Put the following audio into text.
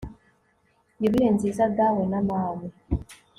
yubile nziza dawe na mawe